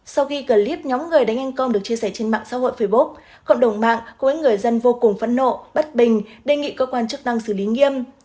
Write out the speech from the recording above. sau khi clip nhóm người đánh anh con được chia sẻ trên mạng xã hội facebook cộng đồng mạng với người dân vô cùng phẫn nộ bất bình đề nghị cơ quan chức năng xử lý nghiêm